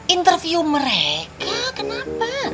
interview mereka kenapa